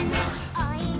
「おいで」